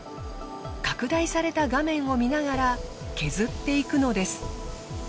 拡大された画面を見ながら削っていくのです。